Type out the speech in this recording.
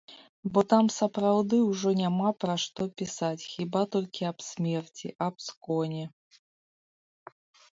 Бо там сапраўды ўжо няма пра што пісаць, хіба толькі аб смерці, аб сконе.